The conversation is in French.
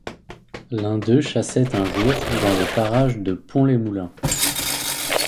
L'un d'eux chassait un jour dans les parages de Pont-les-Moulins.